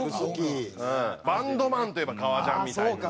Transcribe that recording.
バンドマンといえば革ジャンみたいな。